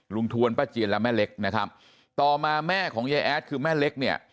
ทวนป้าเจียนและแม่เล็กนะครับต่อมาแม่ของยายแอดคือแม่เล็กเนี่ย